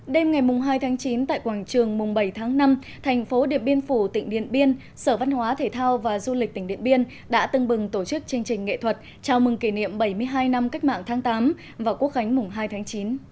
đêm ngày hai tháng chín tại quảng trường mùng bảy tháng năm thành phố điện biên phủ tỉnh điện biên sở văn hóa thể thao và du lịch tỉnh điện biên đã tưng bừng tổ chức chương trình nghệ thuật chào mừng kỷ niệm bảy mươi hai năm cách mạng tháng tám và quốc khánh mùng hai tháng chín